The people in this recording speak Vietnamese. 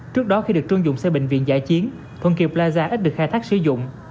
trước đó khi được trương dụng xây bệnh viện giải chiến thuận kiệp plaza ít được khai thác sử dụng